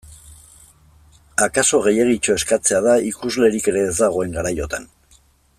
Akaso gehiegitxo eskatzea da, ikuslerik ere ez dagoen garaiotan.